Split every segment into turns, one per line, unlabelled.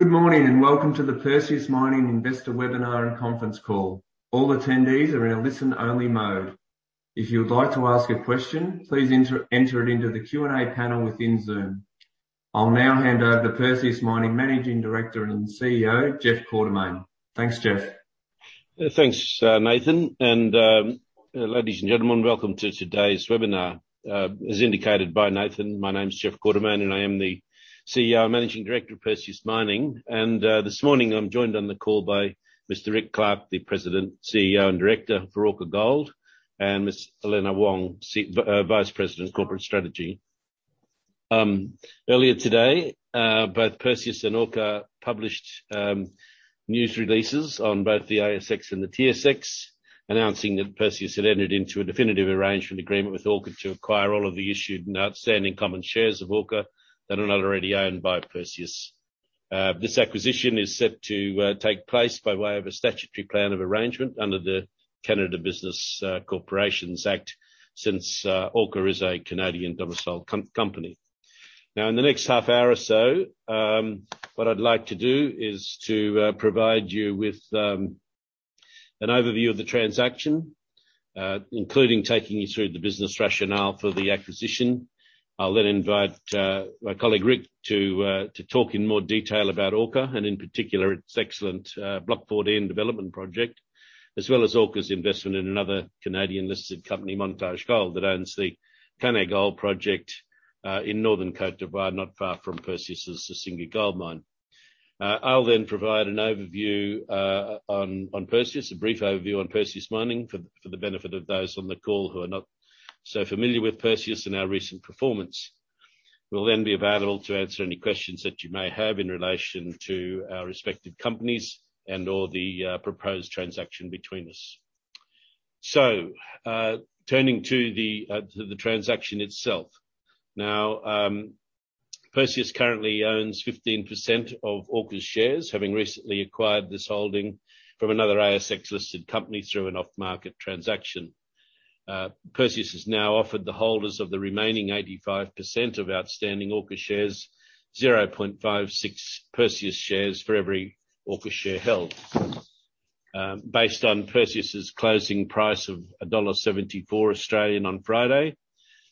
Good morning, and welcome to the Perseus Mining Investor Webinar and Conference Call. All attendees are in a listen-only mode. If you would like to ask a question, please enter it into the Q&A panel within Zoom. I'll now hand over to Perseus Mining Managing Director and CEO, Jeff Quartermaine. Thanks, Jeff.
Thanks, Nathan. Ladies and gentlemen, welcome to today's webinar. As indicated by Nathan, my name is Jeff Quartermaine, and I am the CEO and Managing Director of Perseus Mining. This morning, I'm joined on the call by Mr. Rick Clark, the President, CEO and Director for Orca Gold, and Ms Elina Wong, Vice President of Corporate Strategy. Earlier today, both Perseus and Orca published news releases on both the ASX and the TSX, announcing that Perseus had entered into a definitive arrangement agreement with Orca to acquire all of the issued and outstanding common shares of Orca that are not already owned by Perseus. This acquisition is set to take place by way of a statutory plan of arrangement under the Canada Business Corporations Act since Orca is a Canadian-domiciled company. Now, in the next half hour or so, what I'd like to do is to provide you with an overview of the transaction, including taking you through the business rationale for the acquisition. I'll then invite my colleague, Rick, to talk in more detail about Orca, and in particular, its excellent Block 14 development project, as well as Orca's investment in another Canadian-listed company, Montage Gold, that owns the Koné Gold Project in northern Côte d'Ivoire, not far from Perseus's Sissingué Gold Mine. I'll then provide an overview on Perseus, a brief overview on Perseus Mining for the benefit of those on the call who are not so familiar with Perseus and our recent performance. We'll then be available to answer any questions that you may have in relation to our respective companies and/or the proposed transaction between us. Turning to the transaction itself. Now, Perseus currently owns 15% of Orca's shares, having recently acquired this holding from another ASX-listed company through an off-market transaction. Perseus has now offered the holders of the remaining 85% of outstanding Orca shares 0.56 Perseus shares for every Orca share held. Based on Perseus' closing price of 1.74 Australian dollars on Friday,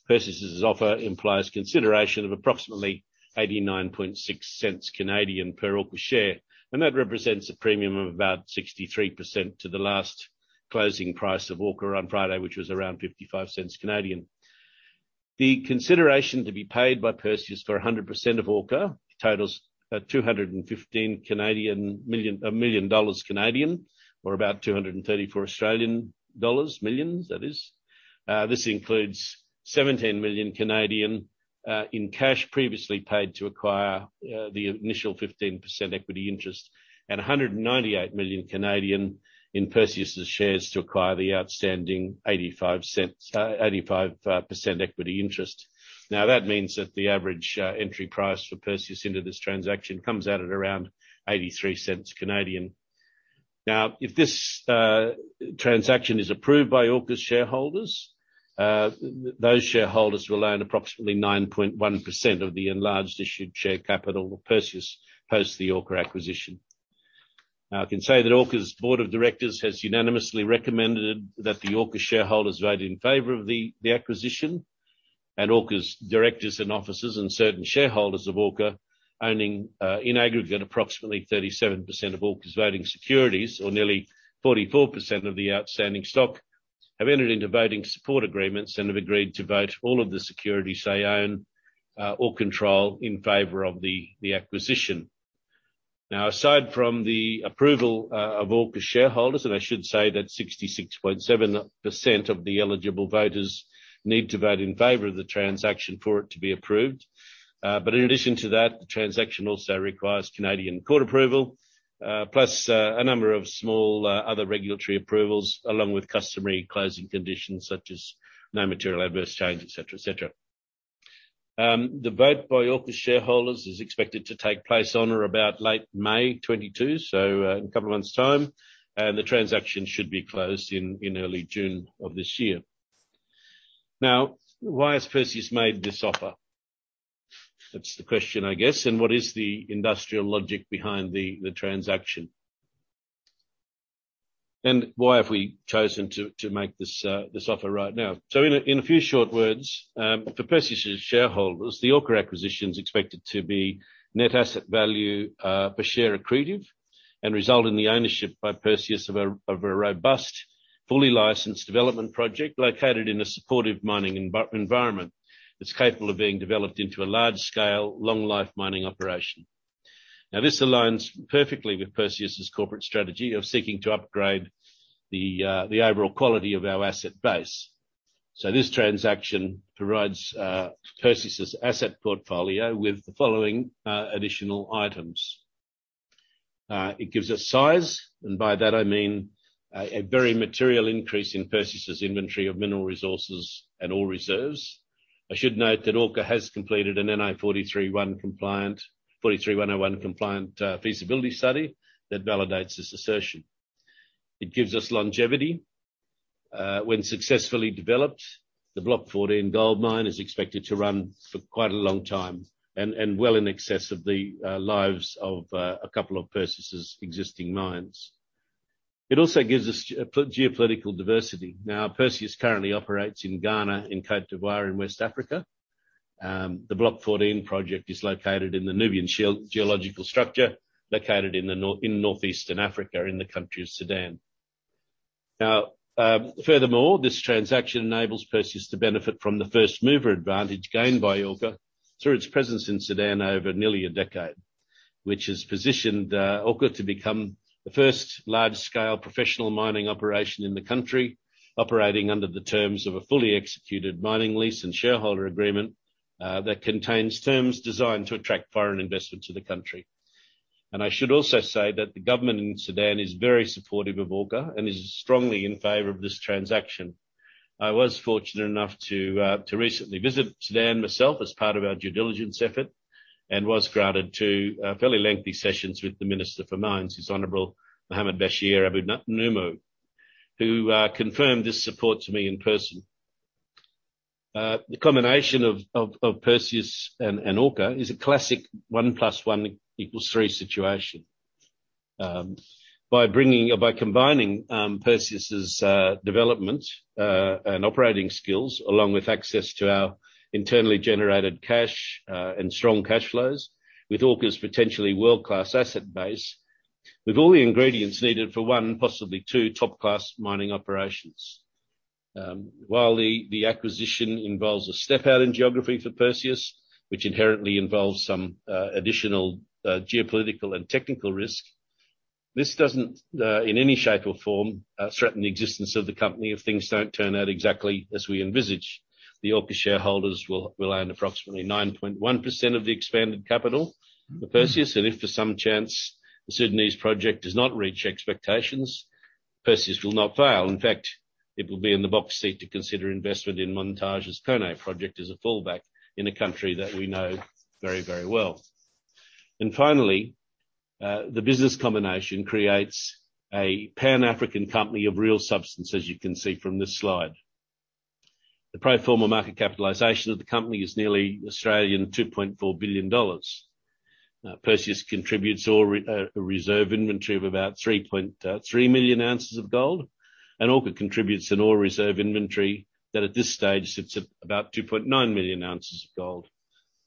Perseus' offer implies consideration of approximately 0.896 per Orca share. That represents a premium of about 63% to the last closing price of Orca on Friday, which was around 0.55. The consideration to be paid by Perseus for 100% of Orca totals at 215 million or about 234 million Australian dollars, that is. This includes 17 million in cash previously paid to acquire the initial 15% equity interest and 198 million in Perseus' shares to acquire the outstanding 85% equity interest. Now, that means that the average entry price for Perseus into this transaction comes out at around 0.83. Now, if this transaction is approved by Orca's shareholders, those shareholders will own approximately 9.1% of the enlarged issued share capital of Perseus, post the Orca acquisition. Now, I can say that Orca's board of directors has unanimously recommended that the Orca shareholders vote in favor of the acquisition, and Orca's directors and officers and certain shareholders of Orca owning in aggregate approximately 37% of Orca's voting securities or nearly 44% of the outstanding stock have entered into voting support agreements and have agreed to vote all of the securities they own or control in favor of the acquisition. Now, aside from the approval of Orca's shareholders, and I should say that 66.7% of the eligible voters need to vote in favor of the transaction for it to be approved. In addition to that, the transaction also requires Canadian court approval, plus a number of small other regulatory approvals along with customary closing conditions such as no material adverse change, et cetera, et cetera. The vote by Orca's shareholders is expected to take place on or about late May 2022, so in a couple of months' time, and the transaction should be closed in early June of this year. Now, why has Perseus made this offer? That's the question, I guess. What is the industrial logic behind the transaction? Why have we chosen to make this offer right now? In a few short words, for Perseus' shareholders, the Orca acquisition is expected to be net asset value per share accretive and result in the ownership by Perseus of a robust, fully licensed development project located in a supportive mining environment that's capable of being developed into a large scale, long life mining operation. This aligns perfectly with Perseus' corporate strategy of seeking to upgrade the overall quality of our asset base. This transaction provides Perseus' asset portfolio with the following additional items. It gives us size, and by that I mean, a very material increase in Perseus' inventory of mineral resources and ore reserves. I should note that Orca has completed an NI 43-101 compliant feasibility study that validates this assertion. It gives us longevity. When successfully developed, the Block 14 gold mine is expected to run for quite a long time and well in excess of the lives of a couple of Perseus' existing mines. It also gives us geopolitical diversity. Now, Perseus currently operates in Ghana and Côte d'Ivoire in West Africa. The Block 14 project is located in the Nubian Shield geological structure, located in northeastern Africa in the country of Sudan. Now, furthermore, this transaction enables Perseus to benefit from the first-mover advantage gained by Orca through its presence in Sudan over nearly a decade, which has positioned Orca to become the first large-scale professional mining operation in the country. Operating under the terms of a fully executed mining lease and shareholder agreement that contains terms designed to attract foreign investment to the country. I should also say that the government in Sudan is very supportive of Orca and is strongly in favor of this transaction. I was fortunate enough to recently visit Sudan myself as part of our due diligence effort and was granted two fairly lengthy sessions with the Minister of Minerals, His Honorable Mohamed Bashir Abdullah Abu Nammu, who confirmed this support to me in person. The combination of Perseus and Orca is a classic one plus one equals three situation. By combining Perseus's development and operating skills, along with access to our internally generated cash and strong cash flows with Orca's potentially world-class asset base, we've all the ingredients needed for one, possibly two, top-class mining operations. While the acquisition involves a step-out in geography for Perseus, which inherently involves some additional geopolitical and technical risk, this doesn't in any shape or form threaten the existence of the company if things don't turn out exactly as we envisage. The Orca shareholders will own approximately 9.1% of the expanded capital of Perseus, and if for some chance the Sudanese project does not reach expectations, Perseus will not fail. In fact, it will be in the box seat to consider investment in Montage's Koné project as a fallback in a country that we know very, very well. Finally, the business combination creates a Pan-African company of real substance, as you can see from this slide. The pro forma market capitalization of the company is nearly 2.4 billion Australian dollars. Now, Perseus contributes ore, a reserve inventory of about 3.3 million ounces of gold, and Orca contributes an ore reserve inventory that at this stage sits at about 2.9 million ounces of gold,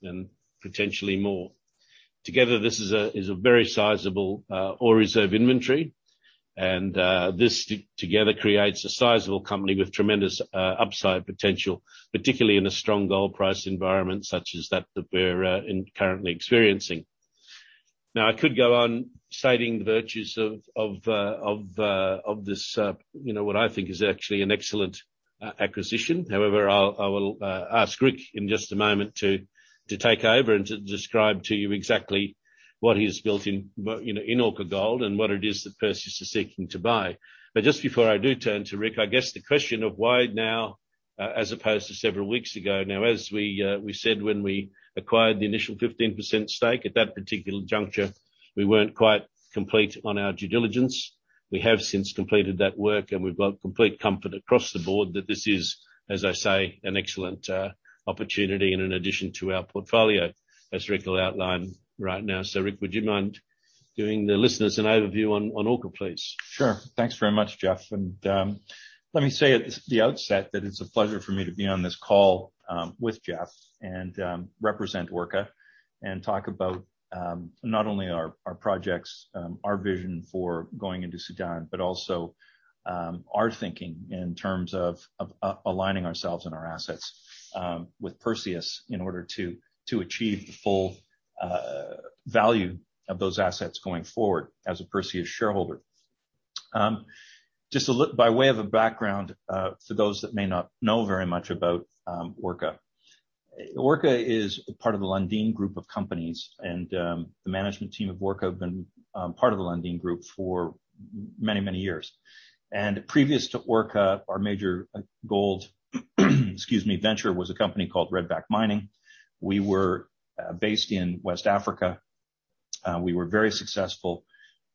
and potentially more. Together, this is a very sizable ore reserve inventory. This together creates a sizable company with tremendous upside potential, particularly in a strong gold price environment such as that we're currently experiencing. Now, I could go on citing the virtues of this, you know, what I think is actually an excellent acquisition. However, I will ask Rick in just a moment to take over and to describe to you exactly what he's built in, you know, in Orca Gold and what it is that Perseus is seeking to buy. Just before I do turn to Rick, I guess the question of why now, as opposed to several weeks ago? Now, as we said when we acquired the initial 15% stake, at that particular juncture, we weren't quite complete on our due diligence. We have since completed that work, and we've got complete comfort across the board that this is, as I say, an excellent opportunity and an addition to our portfolio, as Rick will outline right now. Rick, would you mind giving the listeners an overview on Orca, please?
Sure. Thanks very much, Jeff. Let me say at the outset that it's a pleasure for me to be on this call with Jeff and represent Orca and talk about not only our projects, our vision for going into Sudan, but also our thinking in terms of aligning ourselves and our assets with Perseus in order to achieve the full value of those assets going forward as a Perseus shareholder. Just by way of a background for those that may not know very much about Orca. Orca is part of the Lundin Group of Companies and the management team of Orca have been part of the Lundin Group for many years. Previous to Orca, our major gold venture was a company called Red Back Mining. We were based in West Africa. We were very successful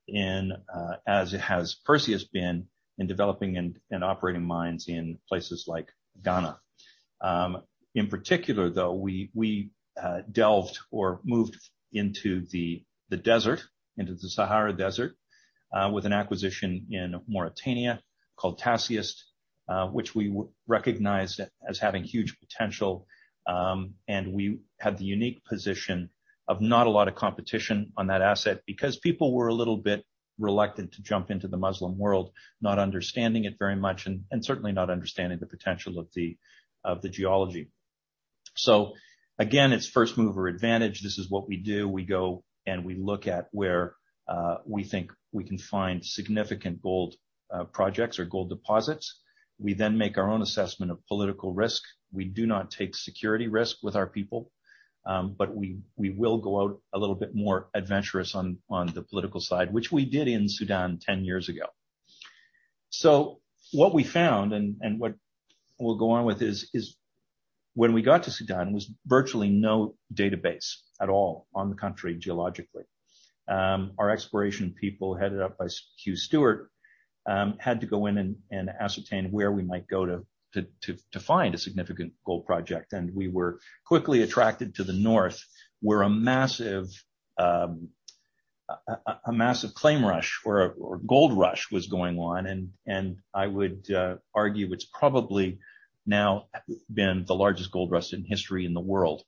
in, as has Perseus been, in developing and operating mines in places like Ghana. In particular, though, we delved or moved into the desert, into the Sahara Desert, with an acquisition in Mauritania called Tasiast, which we recognized as having huge potential, and we had the unique position of not a lot of competition on that asset because people were a little bit reluctant to jump into the Muslim world, not understanding it very much, and certainly not understanding the potential of the geology. So again, it's first mover advantage. This is what we do. We go, and we look at where we think we can find significant gold projects or gold deposits. We then make our own assessment of political risk. We do not take security risk with our people, but we will go out a little bit more adventurous on the political side, which we did in Sudan 10 years ago. What we found and what we'll go on with is when we got to Sudan, there was virtually no database at all on the country geologically. Our exploration people, headed up by Hugh Stuart, had to go in and ascertain where we might go to find a significant gold project. We were quickly attracted to the north, where a massive claim rush or a gold rush was going on. I would argue it's probably now been the largest gold rush in history in the world.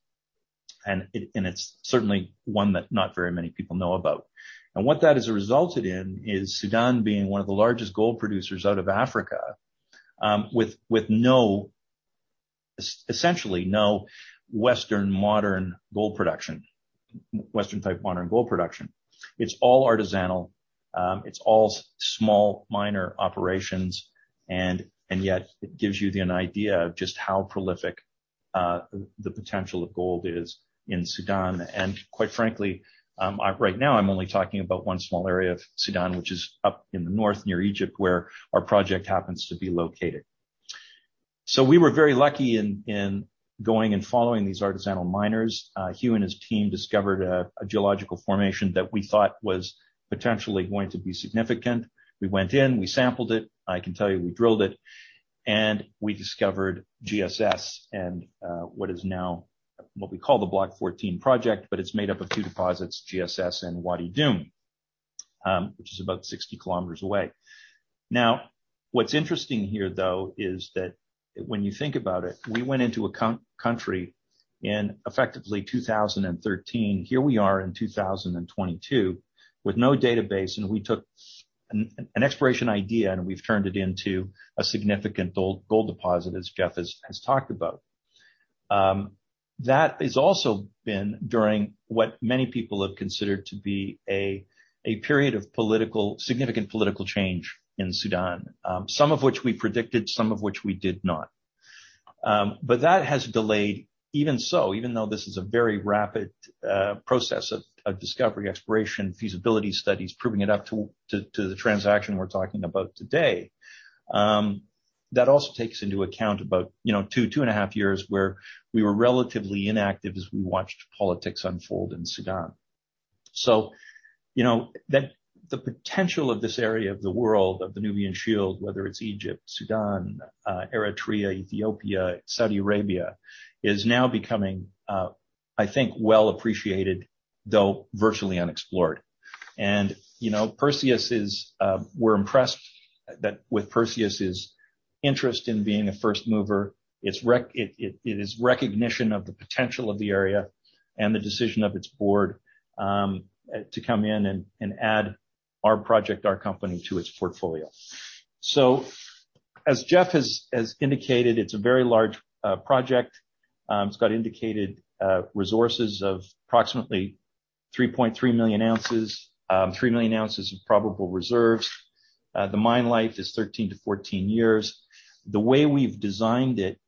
It's certainly one that not very many people know about. What that has resulted in is Sudan being one of the largest gold producers out of Africa, with essentially no Western modern gold production, Western type modern gold production. It's all artisanal. It's all small miner operations. Yet it gives you an idea of just how prolific the potential of gold is in Sudan. Quite frankly, right now I'm only talking about one small area of Sudan, which is up in the north near Egypt, where our project happens to be located. We were very lucky in going and following these artisanal miners. Hugh and his team discovered a geological formation that we thought was potentially going to be significant. We went in, we sampled it. I can tell you, we drilled it, and we discovered GSS and what is now what we call the Block 14 project, but it's made up of two deposits, GSS and Wadi Doum, which is about 60 km away. Now, what's interesting here, though, is that when you think about it, we went into a country in effectively 2013. Here we are in 2022 with no database, and we took an exploration idea, and we've turned it into a significant gold deposit, as Jeff has talked about. That has also been during what many people have considered to be a period of significant political change in Sudan, some of which we predicted, some of which we did not. That has delayed even so, even though this is a very rapid process of discovery, exploration, feasibility studies, proving it up to the transaction we're talking about today. That also takes into account about, you know, two and a half years where we were relatively inactive as we watched politics unfold in Sudan. You know, that the potential of this area of the world, of the Nubian Shield, whether it's Egypt, Sudan, Eritrea, Ethiopia, Saudi Arabia, is now becoming, I think, well appreciated, though virtually unexplored. You know, we're impressed with Perseus' interest in being a first mover. It is recognition of the potential of the area and the decision of its board to come in and add our project, our company to its portfolio. As Jeff has indicated, it's a very large project. It's got indicated resources of approximately 3.3 million ounces, 3 million ounces of probable reserves. The mine life is 13-14 years. The way we've designed it,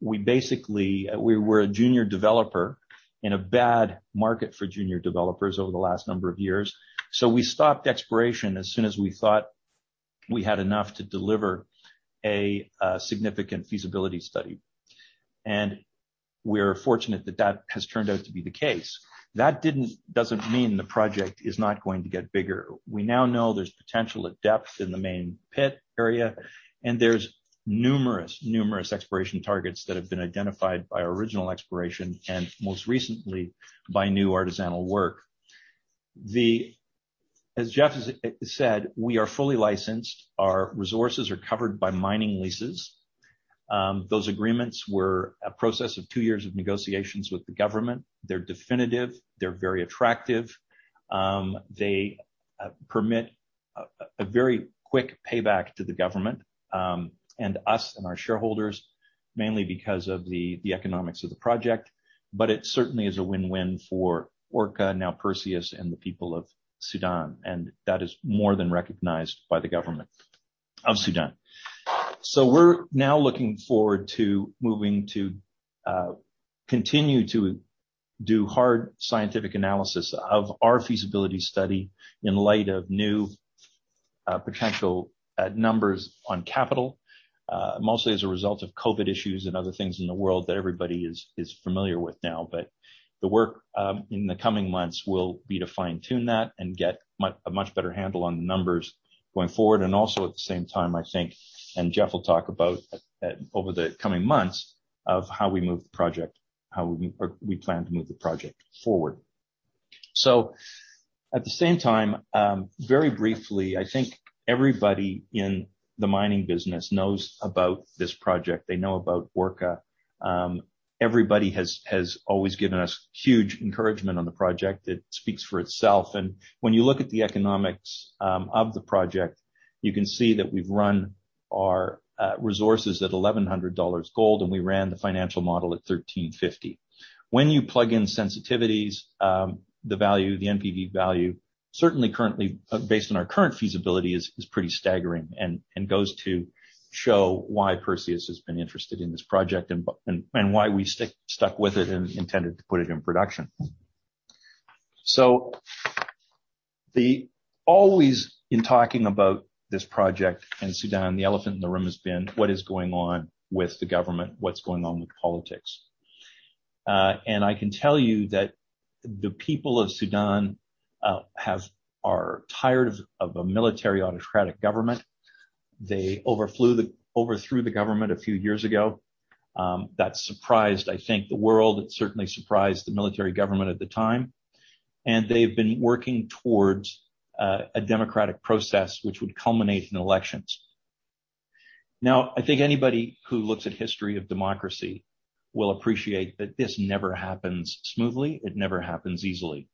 we basically were a junior developer in a bad market for junior developers over the last number of years. We stopped exploration as soon as we thought we had enough to deliver a significant feasibility study. We're fortunate that has turned out to be the case. That doesn't mean the project is not going to get bigger. We now know there's potential at depth in the main pit area, and there's numerous exploration targets that have been identified by our original exploration and most recently by new artisanal work. As Jeff has said, we are fully licensed. Our resources are covered by mining leases. Those agreements were a process of two years of negotiations with the government. They're definitive. They're very attractive. They permit a very quick payback to the government, and us and our shareholders, mainly because of the economics of the project. It certainly is a win-win for Orca, now Perseus, and the people of Sudan, and that is more than recognized by the government of Sudan. We're now looking forward to moving to continue to do hard scientific analysis of our feasibility study in light of new potential numbers on capital, mostly as a result of COVID issues and other things in the world that everybody is familiar with now. The work in the coming months will be to fine-tune that and get a much better handle on the numbers going forward. Also at the same time, I think, and Jeff will talk about over the coming months of how we move the project, or we plan to move the project forward. At the same time, very briefly, I think everybody in the Mining business knows about this project. They know about Orca. Everybody has always given us huge encouragement on the project. It speaks for itself. When you look at the economics of the project, you can see that we've run our resources at $1,100 gold, and we ran the financial model at $1,350. When you plug in sensitivities, the value, the NPV value, certainly currently, based on our current feasibility is pretty staggering and goes to show why Perseus has been interested in this project and why we stuck with it and intended to put it in production. Always when talking about this project in Sudan, the elephant in the room has been what is going on with the government, what's going on with politics. I can tell you that the people of Sudan are tired of a military autocratic government. They overthrew the government a few years ago. That surprised, I think, the world. It certainly surprised the military government at the time. They've been working towards a democratic process which would culminate in elections. Now, I think anybody who looks at history of democracy will appreciate that this never happens smoothly. It never happens easily.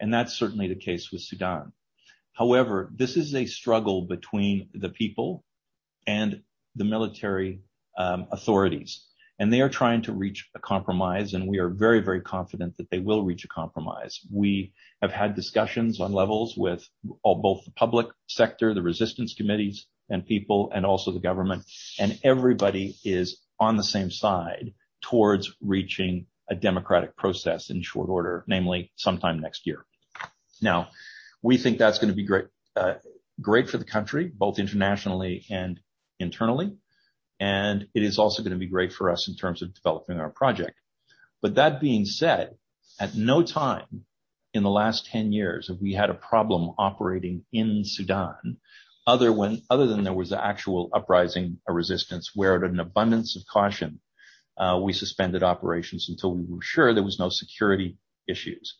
That's certainly the case with Sudan. However, this is a struggle between the people and the military authorities, and they are trying to reach a compromise, and we are very, very confident that they will reach a compromise. We have had discussions on levels with both the public sector, the resistance committees and people, and also the government, and everybody is on the same side towards reaching a democratic process in short order, namely sometime next year. Now, we think that's gonna be great for the country, both internationally and internally, and it is also gonna be great for us in terms of developing our project. That being said, at no time in the last 10 years have we had a problem operating in Sudan. Other than there was an actual uprising or resistance where, at an abundance of caution, we suspended operations until we were sure there was no security issues.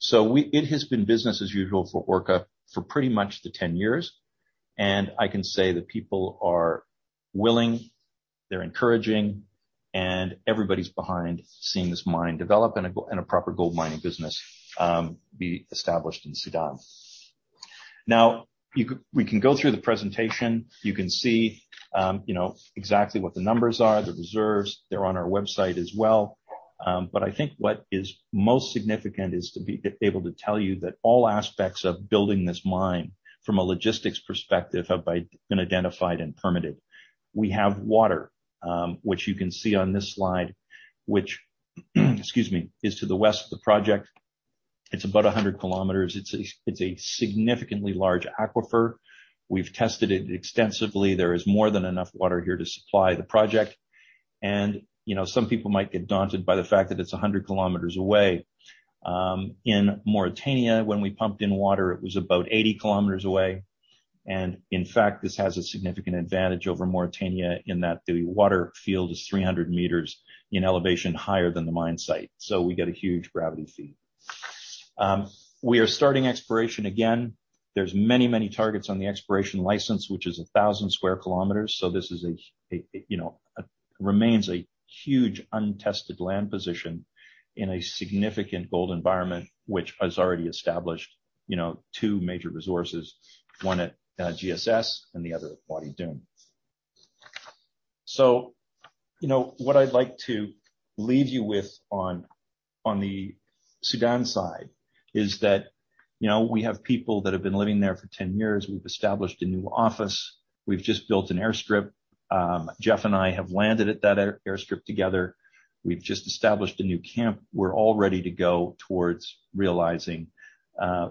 It has been business as usual for Orca for pretty much the 10 years, and I can say that people are willing, they're encouraging, and everybody's behind seeing this Mine develop and a proper Gold Mining business be established in Sudan. Now we can go through the presentation. You can see, you know, exactly what the numbers are, the reserves. They're on our website as well. I think what is most significant is to be able to tell you that all aspects of building this mine from a logistics perspective have been identified and permitted. We have water, which you can see on this slide, which, excuse me, is to the west of the project. It's about 100 km. It's a significantly large aquifer. We've tested it extensively. There is more than enough water here to supply the project. You know, some people might get daunted by the fact that it's 100 km away. In Mauritania, when we pumped in water, it was about 80 km away. In fact, this has a significant advantage over Mauritania in that the water field is 300 m in elevation higher than the mine site. We get a huge gravity feed. We are starting exploration again. There's many targets on the exploration license, which is 1,000 sq km. This remains a huge untested land position in a significant gold environment which has already established you know two major resources, one at GSS and the other at Wadi Doum. What I'd like to leave you with on the Sudan side is that you know we have people that have been living there for 10 years. We've established a new office. We've just built an airstrip. Jeff and I have landed at that airstrip together. We've just established a new camp. We're all ready to go towards realizing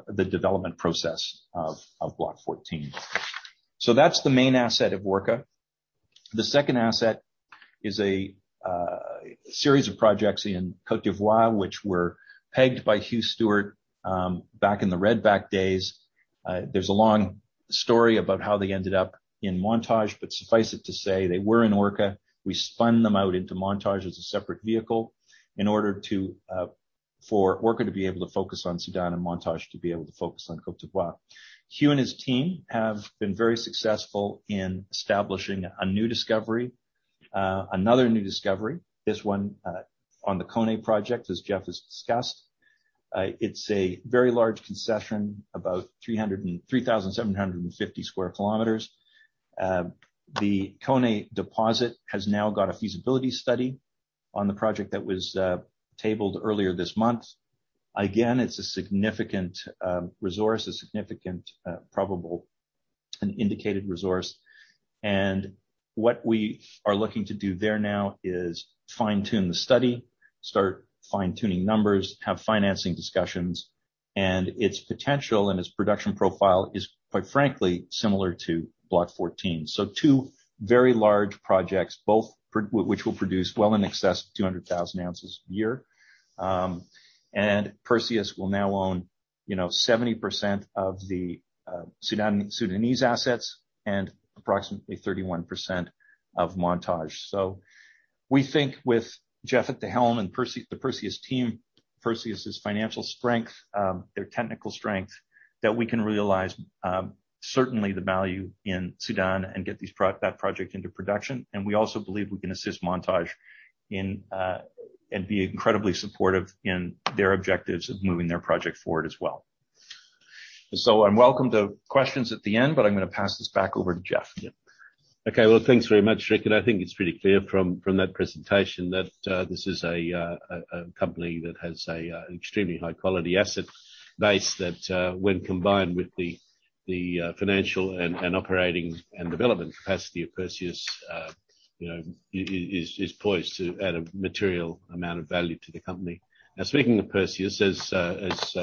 the development process of Block 14. That's the main asset of Orca. The second asset is a series of projects in Côte d'Ivoire, which were pegged by Hugh Stuart back in the Red Back days. There's a long story about how they ended up in Montage, but suffice it to say, they were in Orca. We spun them out into Montage as a separate vehicle in order to for Orca to be able to focus on Sudan and Montage to be able to focus on Côte d'Ivoire. Hugh and his team have been very successful in establishing a new discovery, another new discovery, this one on the Koné project, as Jeff has discussed. It's a very large concession, about 303,750 sq km. The Koné deposit has now got a feasibility study on the project that was tabled earlier this month. Again, it's a significant resource, a significant probable and indicated resource. What we are looking to do there now is fine-tune the study, start fine-tuning numbers, have financing discussions. Its potential and its production profile is, quite frankly, similar to Block 14. Two very large projects, both which will produce well in excess of 200,000 ounces a year. Perseus will now own, you know, 70% of the Sudan-Sudanese assets and approximately 31% of Montage. We think with Jeff at the helm and the Perseus team, Perseus's financial strength, their technical strength, that we can realize certainly the value in Sudan and get that project into production. We also believe we can assist Montage in and be incredibly supportive in their objectives of moving their project forward as well. We'll come to questions at the end, but I'm gonna pass this back over to Jeff.
Yeah. Okay, well, thanks very much, Rick. I think it's pretty clear from that presentation that this is a company that has an extremely high-quality asset base that, when combined with the financial and operating and development capacity of Perseus, is poised to add a material amount of value to the company. Now, speaking of Perseus, as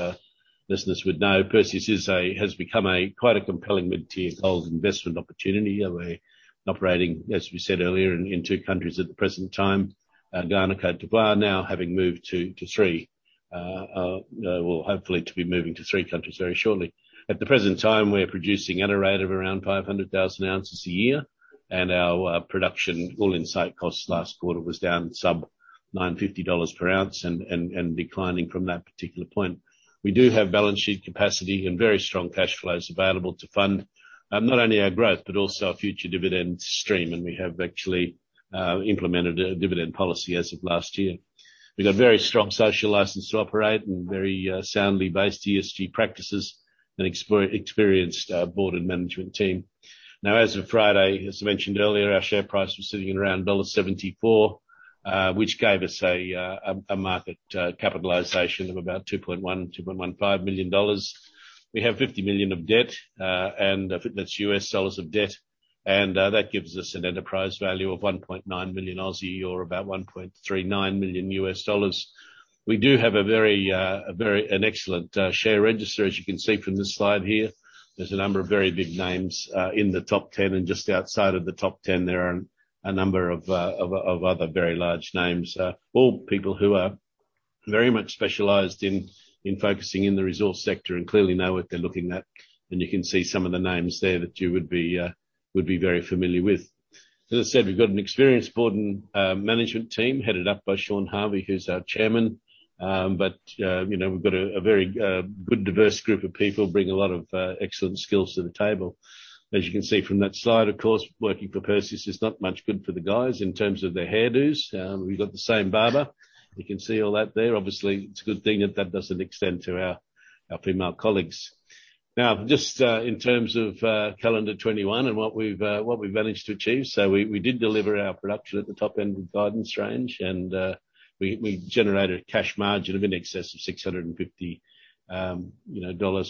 listeners would know, Perseus has become quite a compelling mid-tier gold investment opportunity. We're operating, as we said earlier, in two countries at the present time, Ghana, Côte d'Ivoire, now having moved to three. We'll hopefully be moving to three countries very shortly. At the present time, we're producing at a rate of around 500,000 ounces a year, and our production all-in site costs last quarter was down sub 950 dollars per ounce and declining from that particular point. We do have balance sheet capacity and very strong cash flows available to fund not only our growth, but also our future dividend stream. We have actually implemented a dividend policy as of last year. We've got a very strong social license to operate and very soundly based ESG practices, an experienced board and management team. Now, as of Friday, as I mentioned earlier, our share price was sitting at around dollar 1.74, which gave us a market capitalization of about 2.15 million dollars. We have $50 million of debt, and I think that's U.S. dollars of debt. That gives us an enterprise value of 1.9 million, or about $1.39 million. We do have a very excellent share register, as you can see from this slide here. There's a number of very big names in the top 10 and just outside of the top 10, there are a number of other very large names. All people who are very much specialized in focusing in the resource sector and clearly know what they're looking at. You can see some of the names there that you would be very familiar with. As I said, we've got an experienced board and management team headed up by Sean Harvey, who's our chairman. You know, we've got a very good diverse group of people, bring a lot of excellent skills to the table. As you can see from that slide, of course, working for Perseus is not much good for the guys in terms of their hairdos. We've got the same barber. You can see all that there. Obviously, it's a good thing that that doesn't extend to our female colleagues. Now, just in terms of calendar 2021 and what we've managed to achieve. We did deliver our production at the top end of guidance range, and we generated a cash margin of in excess of $650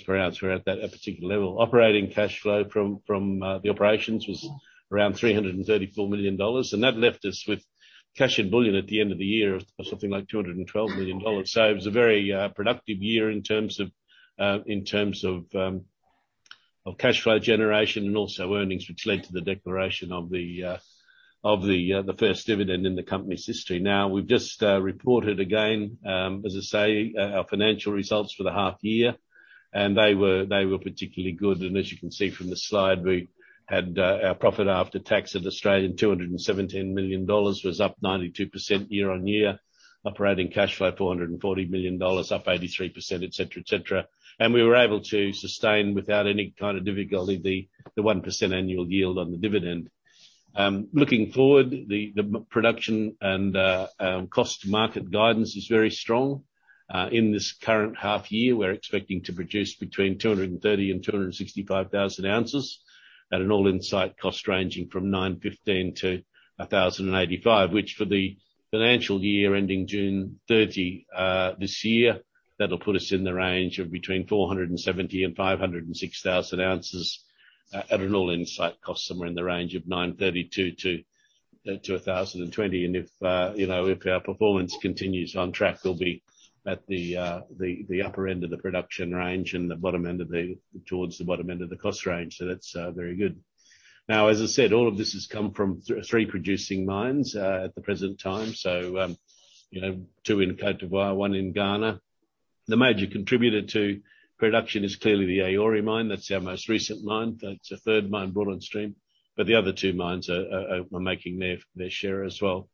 per ounce. We're at that particular level. Operating cash flow from the operations was around 334 million dollars, and that left us with cash and bullion at the end of the year of something like 212 million dollars. It was a very productive year in terms of cash flow generation and also earnings, which led to the declaration of the first dividend in the company's history. Now, we've just reported again, as I say, our financial results for the half year, and they were particularly good. As you can see from the slide, we had our profit after tax at 217 million Australian dollars, was up 92% year-on-year. Operating cash flow 440 million dollars, up 83%, et cetera, et cetera. We were able to sustain without any kind of difficulty the 1% annual yield on the dividend. Looking forward, the production and cost to market guidance is very strong. In this current half year, we're expecting to produce between 230,000 and 265,000 ounces at an all-in sustaining cost ranging from 915-1,085. Which for the financial year ending June 30 this year, that'll put us in the range of between 470,000 and 506,000 ounces at an all-in sustaining cost somewhere in the range of 932-1,020. If our performance continues on track, we'll be at the upper end of the production range and towards the bottom end of the cost range. That's very good. Now, as I said, all of this has come from three producing mines at the present time. You know, two in Côte d'Ivoire, one in Ghana. The major contributor to production is clearly the Yaouré mine. That's our most recent mine. That's a third mine brought on stream. The other two mines are making their share as well.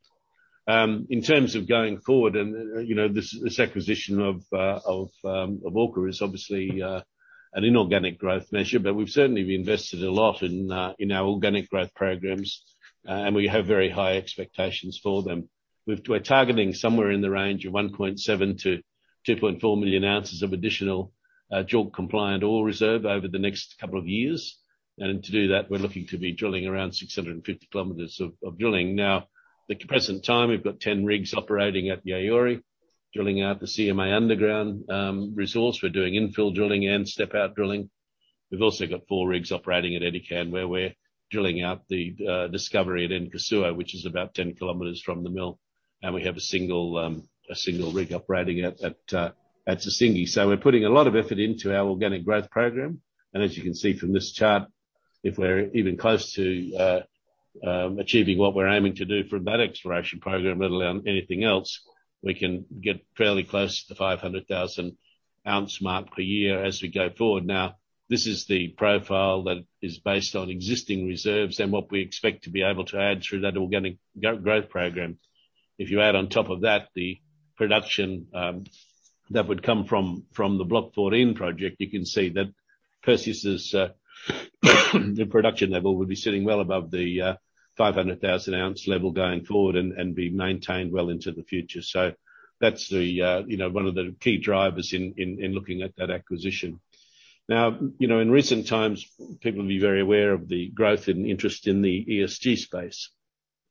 In terms of going forward and, you know, this acquisition of Orca is obviously an inorganic growth measure. We've certainly invested a lot in our organic growth programs, and we have very high expectations for them. We're targeting somewhere in the range of 1.7 million-2.4 million ounces of additional JORC compliant ore reserve over the next couple of years. To do that, we're looking to be drilling around 650 km of drilling. Now, at the present time, we've got ten rigs operating at the Yaouré, drilling out the CMA underground resource. We're doing infill drilling and step out drilling. We've also got four rigs operating at Edikan, where we're drilling out the discovery at Nkrasuo, which is about 10 km from the mill. We have a single rig operating at Sissingué. We're putting a lot of effort into our organic growth program. As you can see from this chart, if we're even close to achieving what we're aiming to do from that exploration program, let alone anything else, we can get fairly close to the 500,000 ounce mark per year as we go forward. Now, this is the profile that is based on existing reserves and what we expect to be able to add through that organic growth program. If you add on top of that, the production that would come from the Block 14 project, you can see that Perseus's, the production level would be sitting well above the 500,000 ounce level going forward and be maintained well into the future. That's the you know one of the key drivers in looking at that acquisition. Now, you know, in recent times, people will be very aware of the growth and interest in the ESG space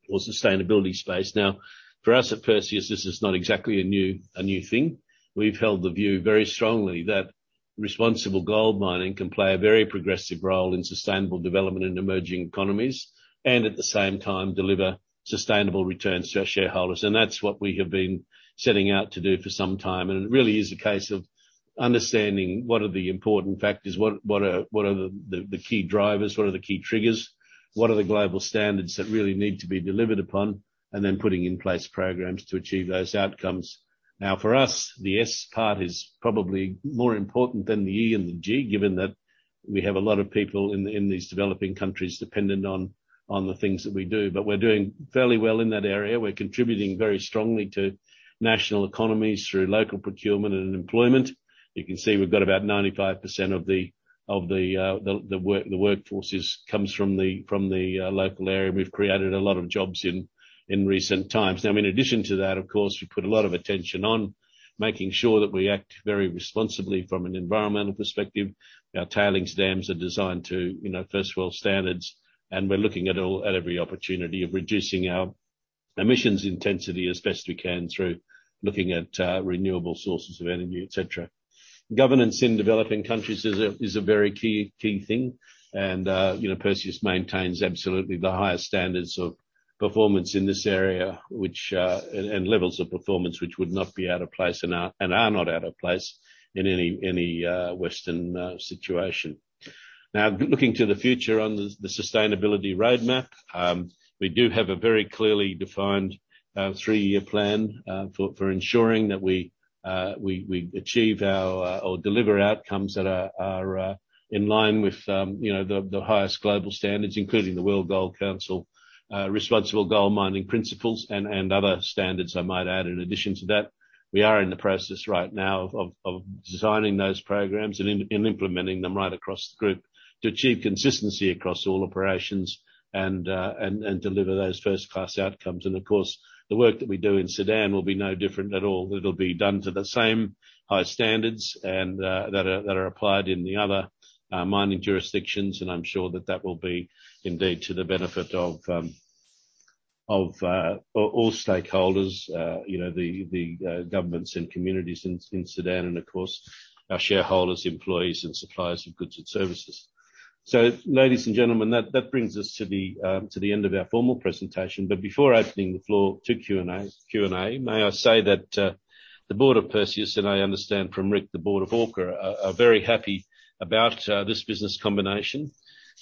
or sustainability space. Now, for us at Perseus, this is not exactly a new thing. We've held the view very strongly that responsible gold mining can play a very progressive role in sustainable development in emerging economies and at the same time, deliver sustainable returns to our shareholders. That's what we have been setting out to do for some time. It really is a case of understanding what are the important factors, what are the key drivers, what are the key triggers, what are the global standards that really need to be delivered upon, and then putting in place programs to achieve those outcomes. Now, for us, the S part is probably more important than the E and the G, given that we have a lot of people in these developing countries dependent on the things that we do. We're doing fairly well in that area. We're contributing very strongly to national economies through local procurement and employment. You can see we've got about 95% of the workforce comes from the local area. We've created a lot of jobs in recent times. Now, in addition to that, of course, we put a lot of attention on making sure that we act very responsibly from an environmental perspective. Our tailings dams are designed to, you know, first world standards, and we're looking at all, at every opportunity of reducing our emissions intensity as best we can through looking at renewable sources of energy, et cetera. Governance in developing countries is a very key thing. Perseus maintains absolutely the highest standards of performance in this area, which and levels of performance which would not be out of place and are not out of place in any Western situation. Now, looking to the future on the sustainability roadmap, we do have a very clearly defined three-year plan for ensuring that we achieve or deliver outcomes that are in line with, you know, the highest global standards, including the World Gold Council Responsible Gold Mining Principles and other standards I might add in addition to that. We are in the process right now of designing those programs and implementing them right across the group to achieve consistency across all operations and deliver those first-class outcomes. Of course, the work that we do in Sudan will be no different at all. It'll be done to the same high standards that are applied in the other mining jurisdictions. I'm sure that will be indeed to the benefit of, all stakeholders, you know, the governments and communities in Sudan, and of course, our shareholders, employees and suppliers of goods and services. Ladies and gentlemen, that brings us to the end of our formal presentation. Before opening the floor to Q&A, may I say that the board of Perseus, and I understand from Rick, the board of Orca, are very happy about this business combination.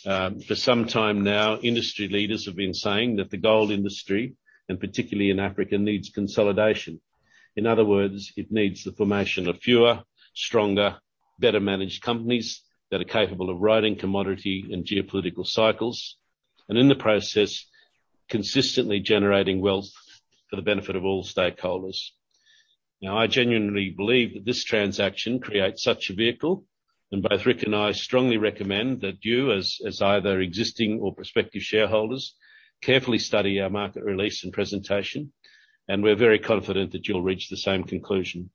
For some time now, industry leaders have been saying that the Gold industry, and particularly in Africa, needs consolidation. In other words, it needs the formation of fewer, stronger, better managed companies that are capable of riding commodity and geopolitical cycles, and in the process, consistently generating wealth for the benefit of all stakeholders. Now, I genuinely believe that this transaction creates such a vehicle, and both Rick and I strongly recommend that you, as either existing or prospective shareholders, carefully study our market release and presentation, and we're very confident that you'll reach the same conclusion.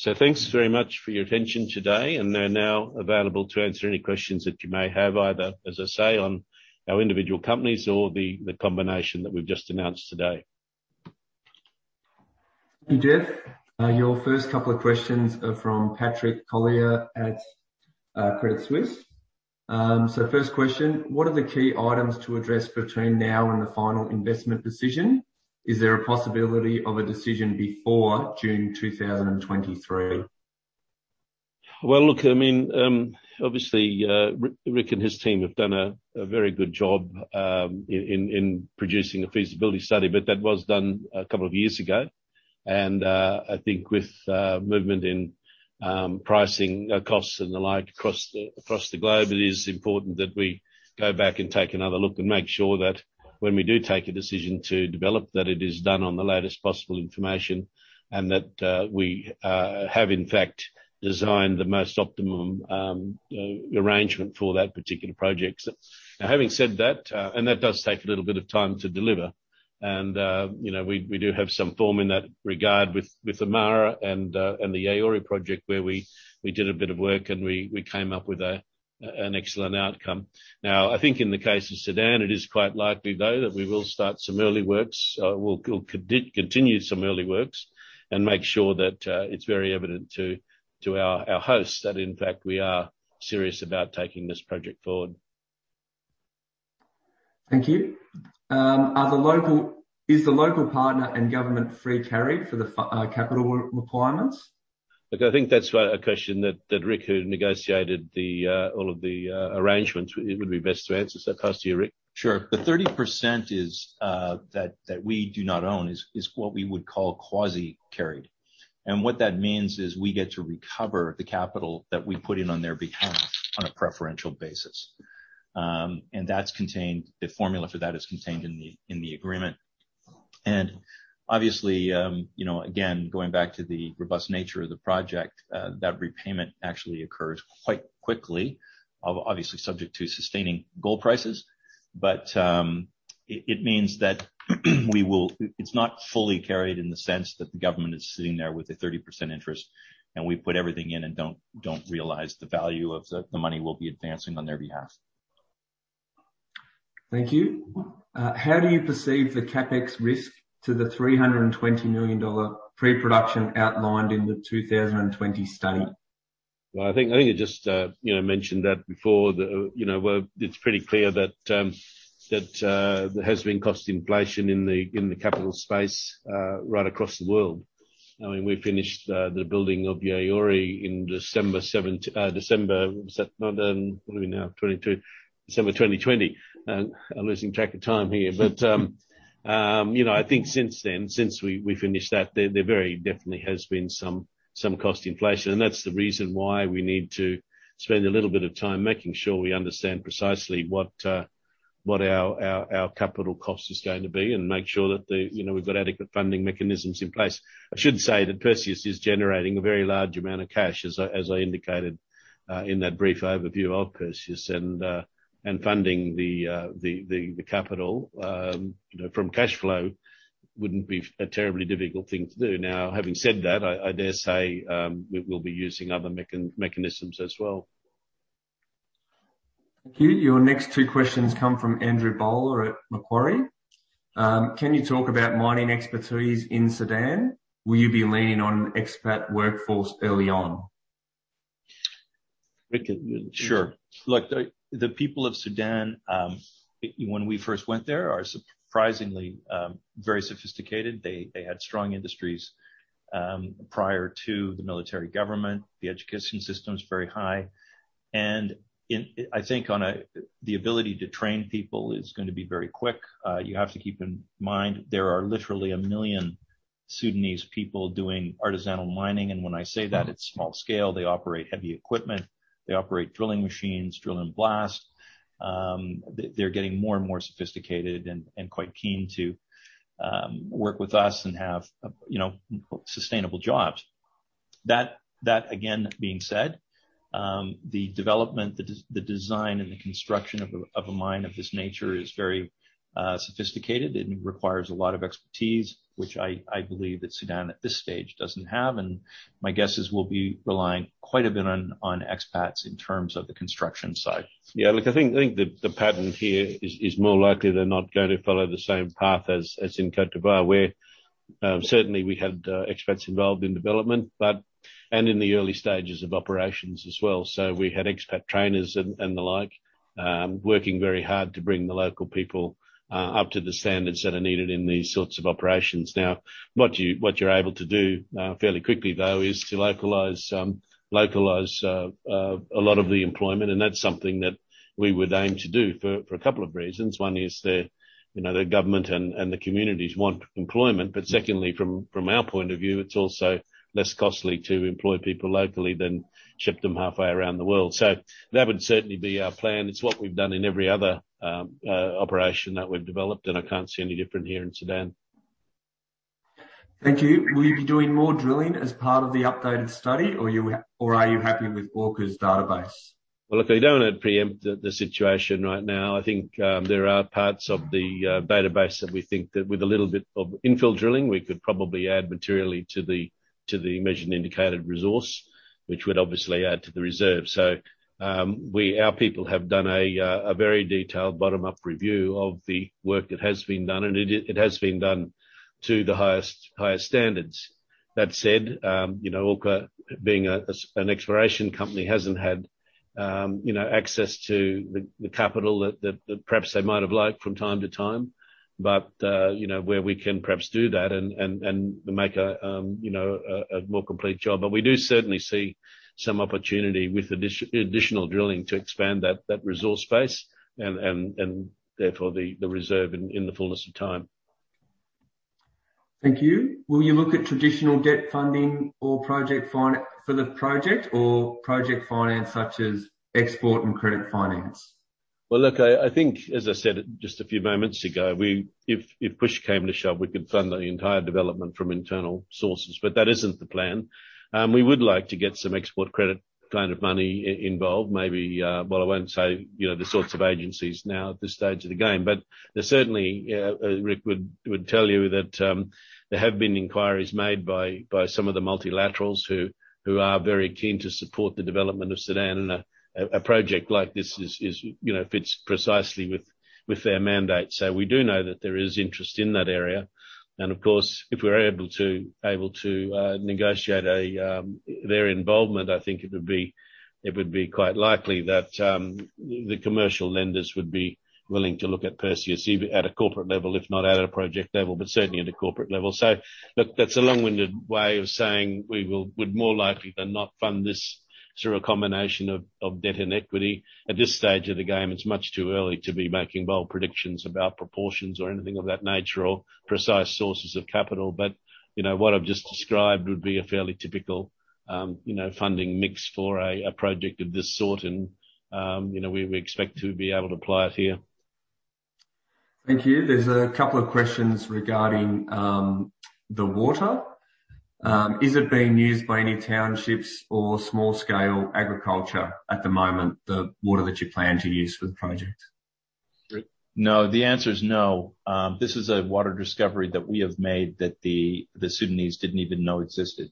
Thanks very much for your attention today, and we're now available to answer any questions that you may have, either, as I say, on our individual companies or the combination that we've just announced today.
Thank you, Jeff. Your first couple of questions are from Patrick Collier at Credit Suisse. First question, what are the key items to address between now and the final investment decision? Is there a possibility of a decision before June 2023?
Well, look, I mean, obviously, Rick and his team have done a very good job in producing a feasibility study, but that was done a couple of years ago. I think with movement in pricing, costs and the like across the globe, it is important that we go back and take another look and make sure that when we do take a decision to develop, that it is done on the latest possible information and that we have, in fact, designed the most optimum arrangement for that particular project. Now, having said that, and that does take a little bit of time to deliver, and, you know, we do have some form in that regard with Amara and the Yaouré project where we did a bit of work and we came up with an excellent outcome. Now, I think in the case of Sudan, it is quite likely, though, that we will start some early works. We'll continue some early works and make sure that it's very evident to our hosts that, in fact, we are serious about taking this project forward.
Thank you. Is the local partner and government free carry for the capital requirements?
Look, I think that's a question that Rick, who negotiated all of the arrangements, it would be best to answer. I'll pass to you, Rick.
Sure. The 30% is that we do not own is what we would call quasi-carried. What that means is we get to recover the capital that we put in on their behalf on a preferential basis. The formula for that is contained in the agreement. Obviously, you know, again, going back to the robust nature of the project, that repayment actually occurs quite quickly, obviously subject to sustaining gold prices. It means it's not fully carried in the sense that the government is sitting there with a 30% interest and we put everything in and don't realize the value of the money we'll be advancing on their behalf.
Thank you. How do you perceive the CapEx risk to the 320 million dollar pre-production outlined in the 2020 study?
Well, I think I just you know mentioned that before, you know. Well, it's pretty clear that there has been cost inflation in the capital space right across the world. I mean, we finished the building of Yaouré in December 2020. What are we now? 2022. I'm losing track of time here. You know I think since then since we finished that there very definitely has been some cost inflation. That's the reason why we need to spend a little bit of time making sure we understand precisely what our capital cost is going to be and make sure that, you know, we've got adequate funding mechanisms in place. I should say that Perseus is generating a very large amount of cash, as I indicated, in that brief overview of Perseus and funding the capital, you know, from cash flow wouldn't be a terribly difficult thing to do. Now, having said that, I dare say, we will be using other mechanisms as well.
Thank you. Your next two questions come from Andrew Bowler at Macquarie. Can you talk about mining expertise in Sudan? Will you be leaning on expat workforce early on?
Rick, you
Sure. Look, the people of Sudan, when we first went there, are surprisingly very sophisticated. They had strong industries prior to the military government. The education system is very high. I think the ability to train people is gonna be very quick. You have to keep in mind there are literally 1 million Sudanese people doing artisanal mining. When I say that, it's small scale. They operate heavy equipment. They operate drilling machines, drill and blast. They're getting more and more sophisticated and quite keen to work with us and have you know sustainable jobs. That again being said, the development, the design and the construction of a mine of this nature is very sophisticated and requires a lot of expertise, which I believe that Sudan at this stage doesn't have. My guess is we'll be relying quite a bit on expats in terms of the construction side.
Yeah. Look, I think the pattern here is more likely than not going to follow the same path as in Côte d'Ivoire, where certainly we had expats involved in development, but and in the early stages of operations as well. We had expat trainers and the like working very hard to bring the local people up to the standards that are needed in these sorts of operations. Now, what you're able to do fairly quickly though is to localize a lot of the employment, and that's something that we would aim to do for a couple of reasons. One is that, you know, the government and the communities want employment. Secondly, from our point of view, it's also less costly to employ people locally than ship them halfway around the world. That would certainly be our plan. It's what we've done in every other operation that we've developed, and I can't see any different here in Sudan.
Thank you. Will you be doing more drilling as part of the updated study or are you happy with Orca's database?
Well, look, I don't want to preempt the situation right now. I think there are parts of the database that we think that with a little bit of infill drilling, we could probably add materially to the measured indicated resource, which would obviously add to the reserve. Our people have done a very detailed bottom-up review of the work that has been done, and it has been done to the highest standards. That said, you know, Orca being an exploration company hasn't had you know access to the capital that perhaps they might have liked from time to time. You know, where we can perhaps do that and make a more complete job. We do certainly see some opportunity with additional drilling to expand that resource base and therefore the reserve in the fullness of time.
Thank you. Will you look at traditional debt funding or project finance for the project or project finance such as export credit finance?
Well, look, I think as I said just a few moments ago, if push came to shove, we could fund the entire development from internal sources, but that isn't the plan. We would like to get some export credit kind of money involved, maybe, well, I won't say, you know, the sorts of agencies now at this stage of the game. There's certainly Rick would tell you that there have been inquiries made by some of the multilaterals who are very keen to support the development of Sudan. A project like this, you know, fits precisely with their mandate. We do know that there is interest in that area. Of course, if we're able to negotiate their involvement, I think it would be quite likely that the commercial lenders would be willing to look at Perseus even at a corporate level, if not at a project level, but certainly at a corporate level. Look, that's a long-winded way of saying we would more likely than not fund this through a combination of debt and equity. At this stage of the game, it's much too early to be making bold predictions about proportions or anything of that nature or precise sources of capital. You know, what I've just described would be a fairly typical, you know, funding mix for a project of this sort. You know, we expect to be able to apply it here.
Thank you. There's a couple of questions regarding the water. Is it being used by any townships or small scale agriculture at the moment, the water that you plan to use for the project?
Rick?
No. The answer is no. This is a water discovery that we have made that the Sudanese didn't even know existed.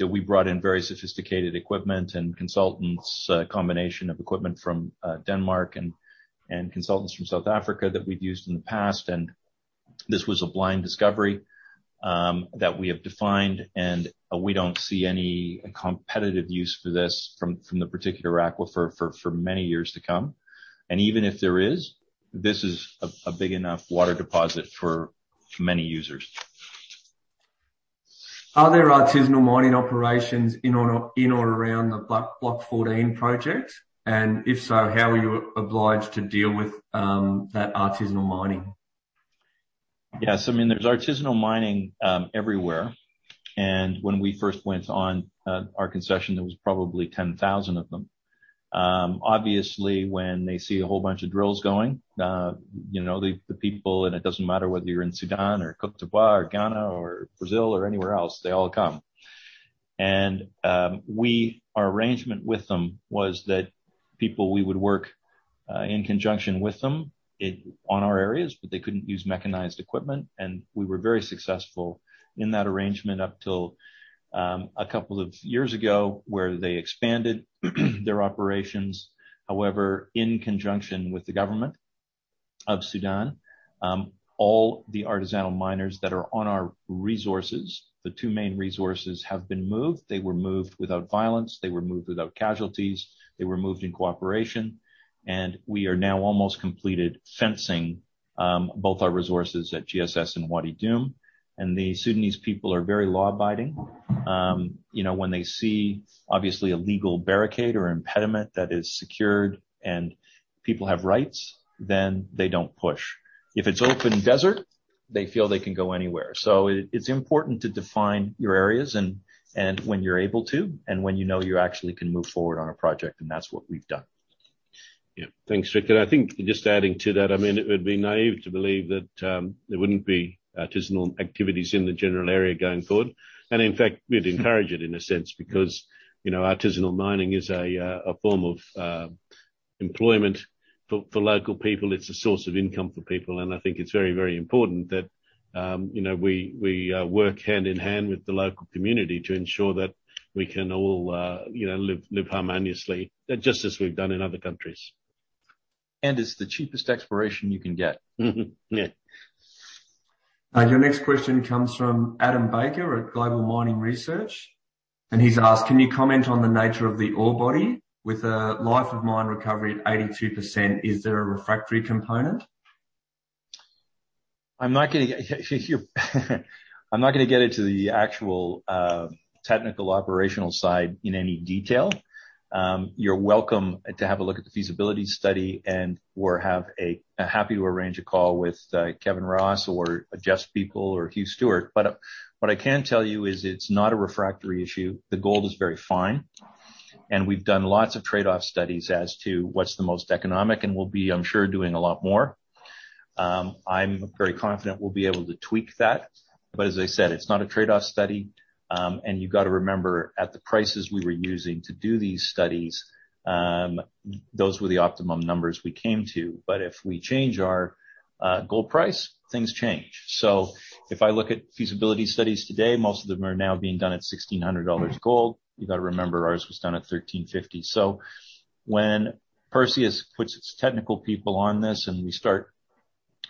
We brought in very sophisticated equipment and consultants, a combination of equipment from Denmark and consultants from South Africa that we've used in the past. This was a blind discovery that we have defined, and we don't see any competitive use for this from the particular aquifer for many years to come. Even if there is, this is a big enough water deposit for many users.
Are there artisanal mining operations in or around the Block 14 project? If so, how are you obliged to deal with that artisanal mining?
Yes. I mean, there's artisanal mining everywhere. When we first went on our concession, there was probably 10,000 of them. Obviously, when they see a whole bunch of drills going, you know, the people, and it doesn't matter whether you're in Sudan or Côte d'Ivoire or Ghana or Brazil or anywhere else, they all come. Our arrangement with them was that we would work in conjunction with them on our areas, but they couldn't use mechanized equipment, and we were very successful in that arrangement up till a couple of years ago, where they expanded their operations. However, in conjunction with the government of Sudan, all the artisanal miners that are on our resources, the two main resources, have been moved. They were moved without violence. They were moved without casualties. They were moved in cooperation. We are now almost completed fencing both our resources at GSS and Wadi Doum. The Sudanese people are very law-abiding. You know, when they see obviously a legal barricade or impediment that is secured and people have rights, then they don't push. If it's open desert, they feel they can go anywhere. It's important to define your areas and when you're able to, and when you know you actually can move forward on a project, and that's what we've done.
Yeah. Thanks, Rick. I think just adding to that, I mean, it would be naive to believe that there wouldn't be artisanal activities in the general area going forward. In fact, we'd encourage it in a sense because, you know, artisanal mining is a form of employment for local people. It's a source of income for people. I think it's very, very important that, you know, we work hand in hand with the local community to ensure that we can all, you know, live harmoniously, just as we've done in other countries.
It's the cheapest exploration you can get.
Yeah.
Your next question comes from Adam Baker at Global Mining Research. He's asked, "Can you comment on the nature of the ore body? With a life of mine recovery at 82%, is there a refractory component?
I'm not gonna get into the actual, technical operational side in any detail. You're welcome to have a look at the feasibility study and/or happy to arrange a call with Kevin Ross or Jeff Biebel or Hugh Stuart. What I can tell you is it's not a refractory issue. The gold is very fine. We've done lots of trade-off studies as to what's the most economic, and we'll be, I'm sure, doing a lot more. I'm very confident we'll be able to tweak that. As I said, it's not a trade-off study. You've got to remember, at the prices we were using to do these studies, those were the optimum numbers we came to. If we change our gold price, things change. If I look at feasibility studies today, most of them are now being done at $1,600 gold. You gotta remember, ours was done at $1,350. When Perseus puts its technical people on this and we start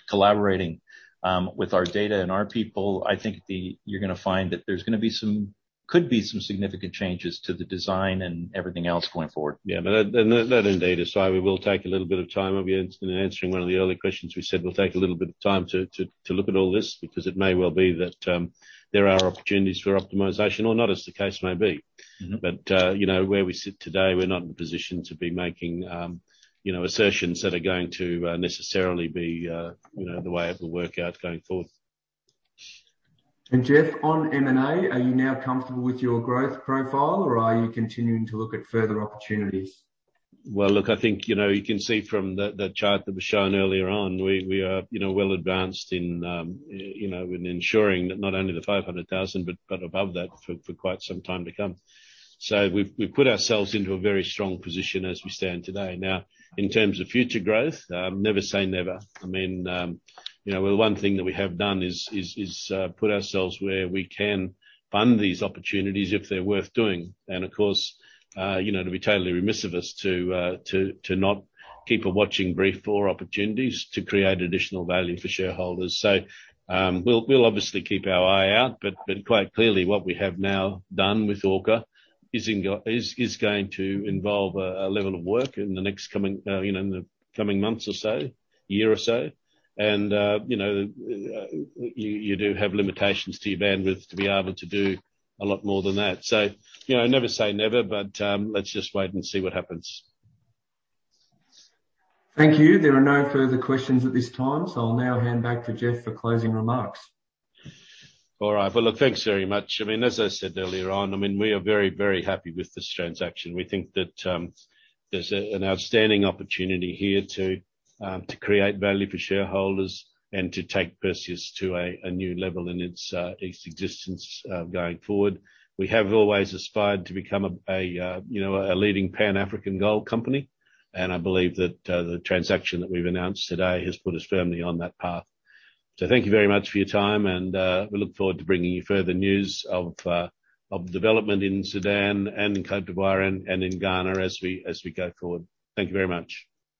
collaborating with our data and our people, I think you're gonna find that there's gonna be some, could be some significant changes to the design and everything else going forward.
That indeed is why we will take a little bit of time. In answering one of the earlier questions, we said we'll take a little bit of time to look at all this because it may well be that there are opportunities for optimization or not, as the case may be. You know, where we sit today, we're not in a position to be making, you know, assertions that are going to necessarily be, you know, the way it will work out going forward.
Jeff, on M&A, are you now comfortable with your growth profile, or are you continuing to look at further opportunities?
Well, look, I think, you know, you can see from the chart that was shown earlier on, we are, you know, well-advanced in ensuring that not only the 500,000, but above that for quite some time to come. We've put ourselves into a very strong position as we stand today. Now, in terms of future growth, never say never. I mean, you know, well, one thing that we have done is put ourselves where we can fund these opportunities if they're worth doing. Of course, you know, it'd be totally remiss of us to not keep a watching brief for opportunities to create additional value for shareholders. We'll obviously keep our eye out, but quite clearly, what we have now done with Orca is going to involve a level of work in the next coming, you know, in the coming months or so, year or so. You know, you do have limitations to your bandwidth to be able to do a lot more than that. You know, never say never, but let's just wait and see what happens.
Thank you. There are no further questions at this time. I'll now hand back to Jeff for closing remarks.
All right. Well, look, thanks very much. I mean, as I said earlier on, I mean, we are very, very happy with this transaction. We think that there's an outstanding opportunity here to create value for shareholders and to take Perseus to its existence going forward. We have always aspired to become a you know, a leading Pan-African Gold company, and I believe that the transaction that we've announced today has put us firmly on that path. Thank you very much for your time, and we look forward to bringing you further news of development in Sudan and in Côte d'Ivoire and in Ghana as we go forward. Thank you very much.